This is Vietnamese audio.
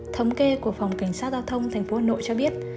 thống kê của phòng cảnh sát giao thông tp hà nội cho biết